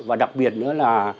và đặc biệt nữa là